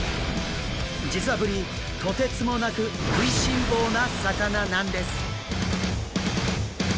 実はブリとてつもなく食いしん坊な魚なんです！